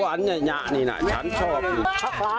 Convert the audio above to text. หัวเตียงค่ะหัวเตียงค่ะ